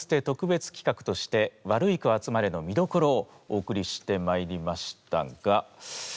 特別企画として「ワルイコあつまれ」の見どころをお送りしてまいりましたが。